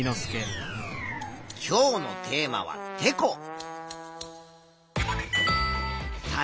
今日のテーマはてこ。